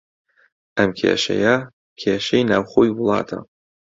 ئەم کێشەیە، کێشەی ناوخۆی وڵاتە